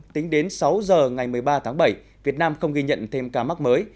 tính đến sáu giờ ngày một mươi ba tháng bảy việt nam không ghi nhận thêm ca mắc mới